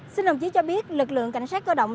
xin đồng chí cho biết lực lượng cảnh sát cơ động